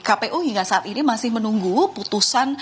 kpu hingga saat ini masih menunggu putusan